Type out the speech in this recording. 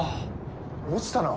落ちたな。